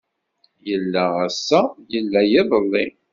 Yella ass-a yella iḍeli.